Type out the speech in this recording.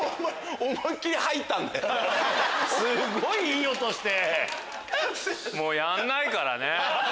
すっごいいい音して。